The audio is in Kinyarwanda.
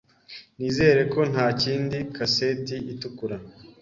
Nizere ko ntakindi kaseti itukura.